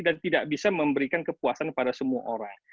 dan tidak bisa memberikan kepuasan kepada semua orang